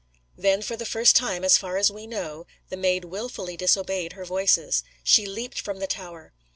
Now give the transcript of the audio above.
Then, for the first time, as far as we know, the Maid wilfully disobeyed her Voices. She leaped from the tower.